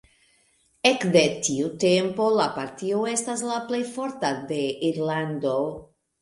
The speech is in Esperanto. Ekde tiu tempo la partio estas la plej forta de Irlando.